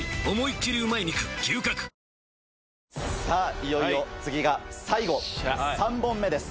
いよいよ次が最後３本目です。